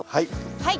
はい。